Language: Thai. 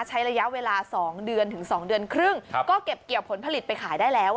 ใช้ระยะเวลา๒เดือนถึง๒เดือนครึ่งก็เก็บเกี่ยวผลผลิตไปขายได้แล้ว